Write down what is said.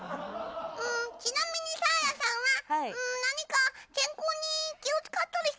ちなみにサーヤさんは何か健康に気を使ったりしてますか？